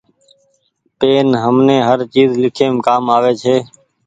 پين همني هر چيز ليکيم ڪآم آوي ڇي۔